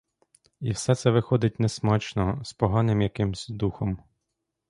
І все це виходить несмачно, з поганим якимсь духом.